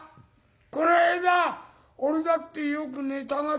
この間俺だってよく寝たがったよ。